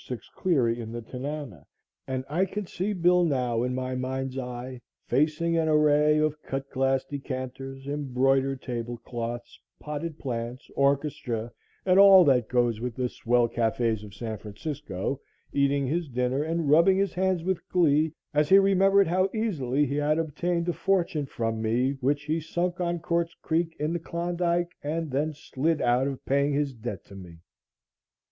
6 Cleary, in the Tanana, and I can see Bill now in my mind's eye, facing an array of cut glass decanters, embroidered table cloths, potted plants, orchestra and all that goes with the swell cafes of San Francisco, eating his dinner and rubbing his hands with glee as he remembered how easily he had obtained a fortune from me, which he sunk on Quartz Creek in the Klondike, and then slid out of paying his debt to me.